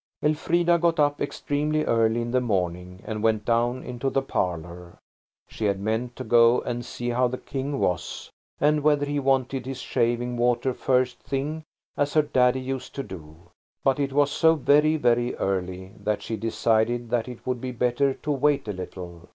Elfrida got up extremely early in the morning and went down into the parlour. She had meant to go and see how the King was, and whether he wanted his shaving water first thing, as her daddy used to do. But it was so very, very early that she decided that it would be better to wait a little.